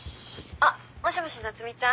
☎あっもしもし夏海ちゃん。